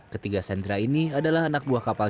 ketiga sentra ini adalah anak buah kapal